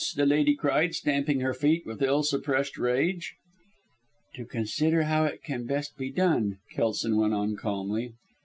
the lady cried, stamping her feet with ill suppressed rage. " to consider how it can best be done," Kelson went on calmly.